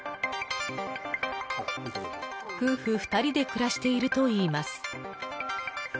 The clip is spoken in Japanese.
夫婦２人で暮らしているといいます。